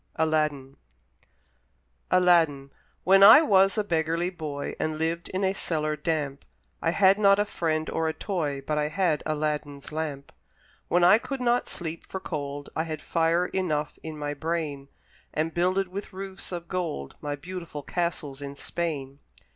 (Adapted) ALADDIN When I was a beggarly boy And lived in a cellar damp, I had not a friend or a toy, But I had Aladdin's lamp; When I could not sleep for cold, I had fire enough in my brain, And builded with roofs of gold My beautiful castles in Spain!